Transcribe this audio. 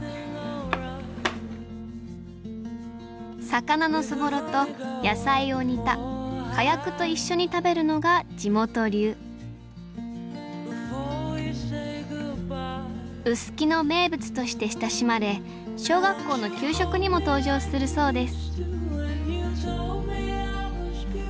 魚のそぼろと野菜を煮たかやくと一緒に食べるのが地元流臼杵の名物として親しまれ小学校の給食にも登場するそうです